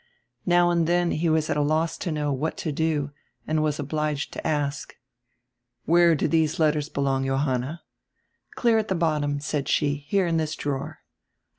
Now and then he was at a loss to know what to do and was obliged to ask "Where do these letters belong, Johanna?" "Clear at tire bottom," said she, "here in this drawer."